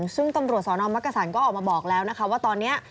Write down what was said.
ซึ่งตำรวจสอนออมมักกระสั่นก็ออกมาบอกแล้วว่าตอนนี้